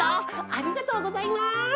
ありがとうございます。